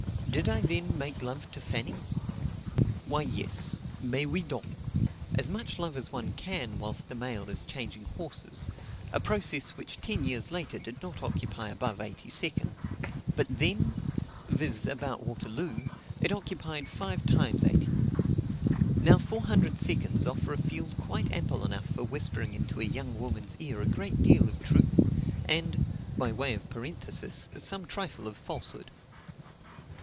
Did I then make love to Fanny? Why, yes; mais oui donc; as much love as one can make whilst the mail is changing horses, a process which ten years later did not occupy above eighty seconds; but then, viz., about Waterloo, it occupied five times eighty. Now, four hundred seconds offer a field quite ample enough for whispering into a young woman's ear a great deal of truth; and (by way of parenthesis) some trifle of falsehood.